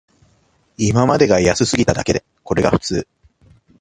今までが安すぎただけで、これが普通